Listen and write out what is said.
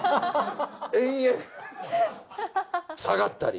延々下がったり。